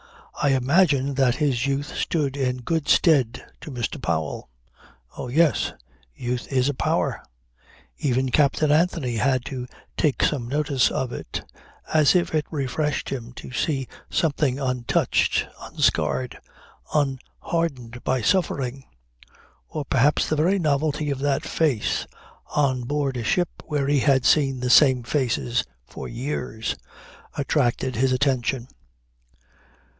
I imagine that his youth stood in good stead to Mr. Powell. Oh, yes. Youth is a power. Even Captain Anthony had to take some notice of it, as if it refreshed him to see something untouched, unscarred, unhardened by suffering. Or perhaps the very novelty of that face, on board a ship where he had seen the same faces for years, attracted his attention.